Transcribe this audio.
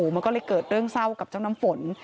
มันก็เลยเกิดเรื่องเศร้ากับเจ้าน้ำฝน